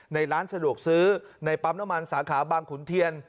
ในร้านสะดวกซื้อในปั๊มน้ำมันสาขาบางขุนเทียน